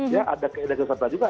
ya ada keindahkan satwa juga